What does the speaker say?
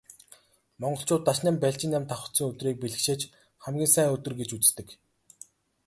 Монголчууд Дашням, Балжинням давхацсан өдрийг бэлгэшээж хамгийн сайн өдөр гэж үздэг.